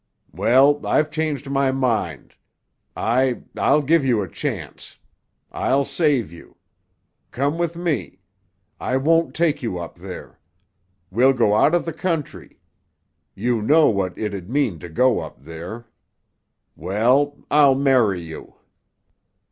"Well, I've changed my mind. I—I'll give you a chance. I'll save you. Come with me. I won't take you up there. We'll go out of the country. You know what it'd mean to go up there. Well,—I'll marry you."